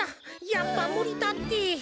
やっぱむりだって。